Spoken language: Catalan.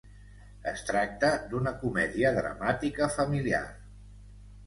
Es tracta d'una comèdia dramàtica familiar.